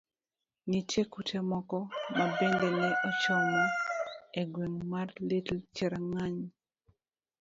Nitie kute mamoko ma bende ne ochomo e gweng' mar Little Cherangany.